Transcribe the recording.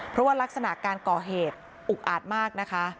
เพราะว่ารักษณะการก่อเหตุอุกอาจมากนะคะ